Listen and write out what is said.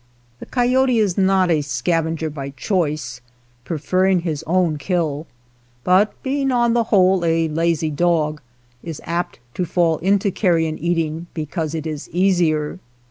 The coyote is not a scavenger by choice, preferring his own kill, but being on the 57 THE 'SCAVENGERS whole a lazy dog, is apt to fall into carrion eatins: because it is easier.